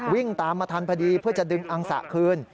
วิ่งตามมาทันพอดีเพื่อจะดึงอังสะคืน